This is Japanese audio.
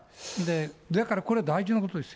だからこれは大事なことですよ。